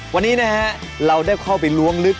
วันนี้นะฮะเราได้เข้าไปล้วงลึก